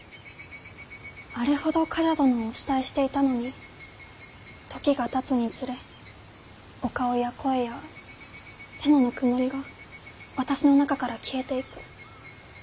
あれほど冠者殿をお慕いしていたのに時がたつにつれお顔や声や手のぬくもりが私の中から消えていく。